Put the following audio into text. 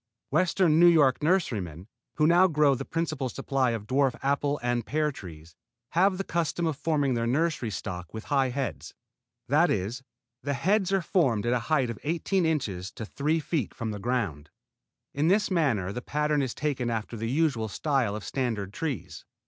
Western New York nurserymen, who now grow the principal supply of dwarf apple and pear trees, have the custom of forming their nursery stock with high heads. That is, the heads are formed at a height of eighteen inches to three feet from the ground. In this matter the pattern is taken after the usual style of standard trees.